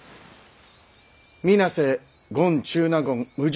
水無瀬権中納言氏